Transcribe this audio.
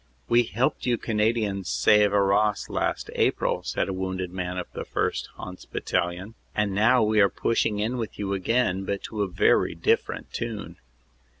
"We helped you Canadians save Arras last April," said a wounded man of the 1st. Hants. Battalion, "and now we are pushing in with you again, but to a very different tune."